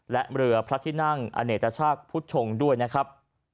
และเรือพระที่นั่งอเนตชาติพุทธชงด้วยนะครับ